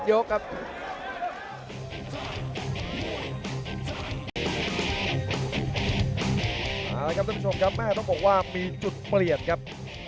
เอาละครับท่านผู้ชมครับแม่ต้องบอกว่ามีจุดเปลี่ยนครับ